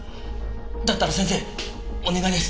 だったら先生お願いです！